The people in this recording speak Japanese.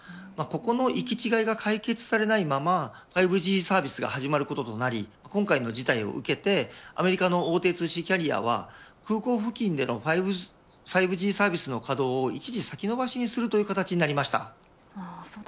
ここのいき違いが解決されないまま５Ｇサービスが始まることとなり今回の事態を受けてアメリカの大手通信キャリアは空港付近での５Ｇサービスの稼働を一時先延ばしにするという形になりました。